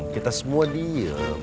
kita semua diem